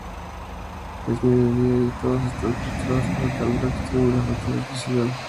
Es mediodía y todos están frustrados por el calor extremo y falta de electricidad.